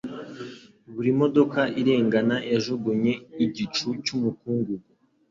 Buri modoka irengana yajugunye igicu cyumukungugu.